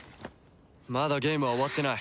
まだゲームは終わってない。